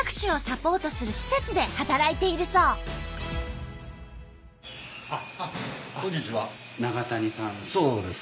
そうです。